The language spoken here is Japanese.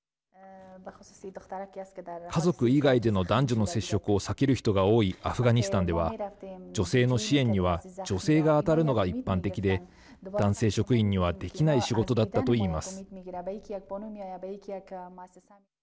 家族以外での男女の接触を避ける人が多いアフガニスタンでは女性の支援には女性が当たるのが一般的で男性職員にはできない仕事だったと言います。